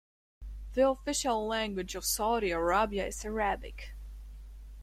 The official language of Saudi Arabia is Arabic.